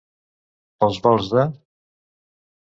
Pels volts de.